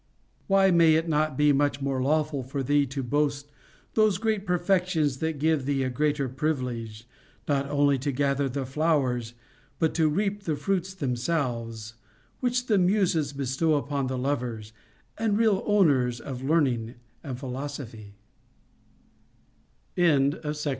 507 why may it not be much more lawful for thee to boast those great perfections that give thee a greater privilege, not only to gather the flowers, but to reap the fruits them selves, which the Muses bestow upon the lovers and real owners of learning and philosophy \ END OF VOL.